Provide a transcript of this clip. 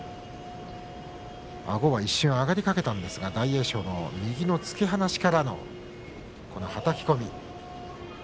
あごが一瞬上がりかけたんですが右の突き放しからのはたき込み。